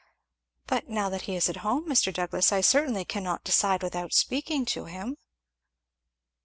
"But now that he is at home, Mr. Douglass, I certainly cannot decide without speaking to him."